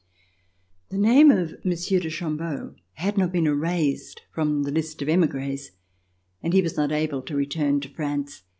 The name of Monsieur de Chambeau had not been erased from the list of emigres, and he was not able to return to France.